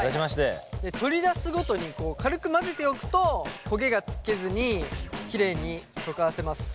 取り出すごとに軽く混ぜておくと焦げがつけずにきれいに溶かせます。